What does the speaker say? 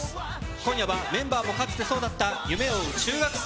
今夜はメンバーもかつてそうだった夢を追う中学生